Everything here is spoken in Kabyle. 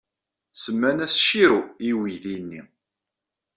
Semman-as Shiro i uydi-nni.